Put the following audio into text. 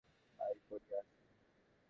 কিন্তু আমি ইহারই মধ্যে একটি পথ বাহির করিয়াছি।